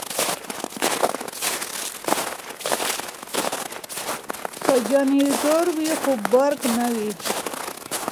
که جنراتور وي نو برق نه ځي.